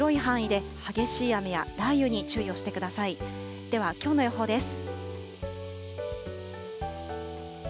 ではきょうの予報です。